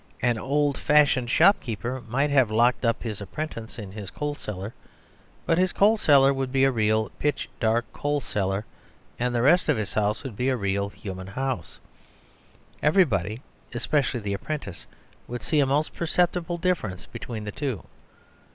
An old fashioned shopkeeper might have locked up his apprentice in his coal cellar; but his coal cellar would be a real, pitch dark coal cellar, and the rest of his house would be a real human house. Everybody (especially the apprentice) would see a most perceptible difference between the two.